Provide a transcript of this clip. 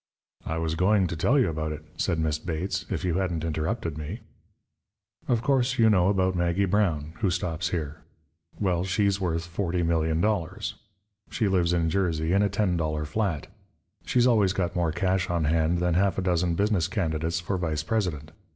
"I was going to tell you all about it," said Miss Bates, "if you hadn't interrupted me. "Of course, you know about Maggie Brown, who stops here. Well, she's worth $40,000,000. She lives in Jersey in a ten dollar flat. She's always got more cash on hand than half a dozen business candidates for vice president.